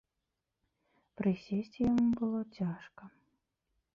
Прысесці яму было цяжка.